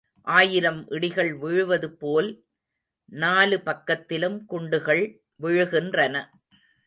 ஆயிரம் இடிகள் விழுவதுபோல் நாலு பக்கத்திலும் குண்டுகள் விழுகின்றன.